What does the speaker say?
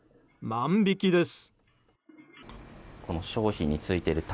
万引きです。